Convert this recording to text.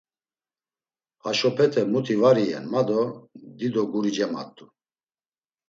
Haşopete muti var iyen ma do dido guri cemat̆u.